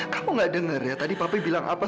kamu cuma mimpi buruk